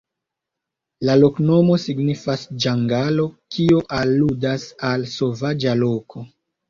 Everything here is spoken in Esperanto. La loknomo signifas: ĝangalo, kio aludas al sovaĝa loko.